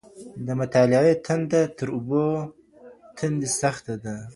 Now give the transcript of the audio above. د مطالعې تنده تر اوبو تندې سخته ده.